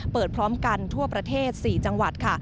พร้อมกันทั่วประเทศ๔จังหวัดค่ะ